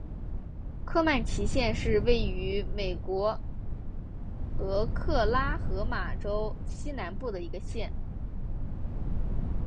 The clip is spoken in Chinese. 科曼奇县是位于美国俄克拉何马州西南部的一个县。